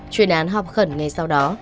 chuyên án họp khẩn ngay sau đó